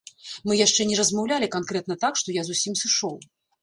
Мы яшчэ не размаўлялі канкрэтна так, што я зусім сышоў.